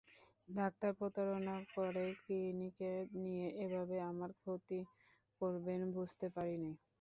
Doctor প্রতারণা করে ক্লিনিকে নিয়ে এভাবে আমার ক্ষতি করবেন বুঝতে পারি নাই।